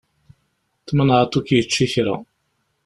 Tmenεeḍ ur k-yečči ara.